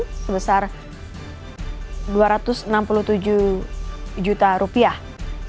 ini merupakan tanah yang berbeda dengan tanah di jakarta barat